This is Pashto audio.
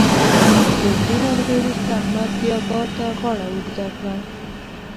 له اوږدې ناروغۍ وروسته احمد بیا بار ته غاړه اوږده کړه.